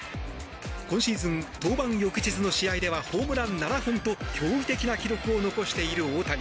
今シーズン登板翌日の試合ではホームラン７本と驚異的な記録を残している大谷。